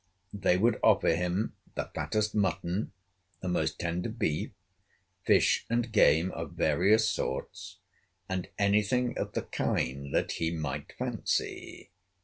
They would offer him the fattest mutton, the most tender beef, fish, and game of various sorts, and any thing of the kind that he might fancy.